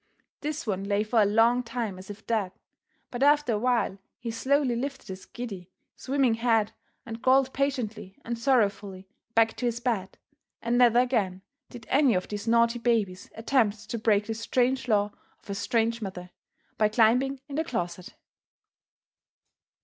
This one lay for a long time as if dead, but after a while he slowly lifted his giddy, swimming head and crawled patiently and sorrowfully back to his bed, and never again did any of these naughty babies attempt to break this strange law of a strange mother, by climbing in the closet.